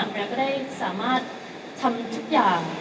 แล้วก็ได้สามารถทำทุกอย่าง